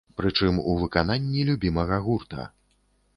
Пры чым у выкананні любімага гурта!